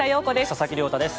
佐々木亮太です。